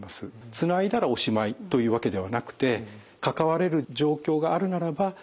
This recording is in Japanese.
つないだらおしまいというわけではなくて関われる状況があるならば是非関わってあげる。